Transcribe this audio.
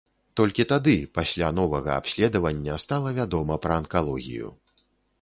Толькі тады, пасля новага абследавання, стала вядома пра анкалогію.